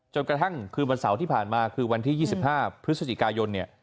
จนกระทั่งคืนวันเสาร์ที่ผ่านมาคือวันที่๒๕พฤศจิกายน